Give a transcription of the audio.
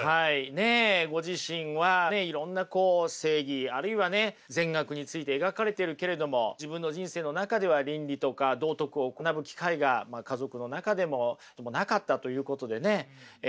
ねえご自身はいろんなこう正義あるいはね善悪について描かれているけれども自分の人生の中では倫理とか道徳を学ぶ機会が家族の中でもなかったということでね悩まれてる。